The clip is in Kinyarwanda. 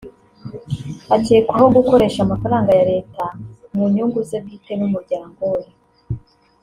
akekwaho gukoresha amafaranga ya leta mu nyungu ze bwite n’umuryango we